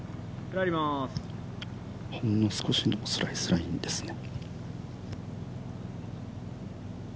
ほんの少しのスライスラインですね。